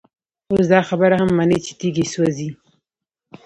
اوس دا خبره هم مني چي تيږي سوزي،